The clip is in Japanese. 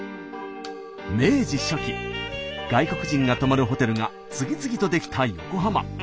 明治初期外国人が泊まるホテルが次々と出来た横浜。